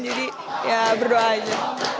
jadi ya berdoanya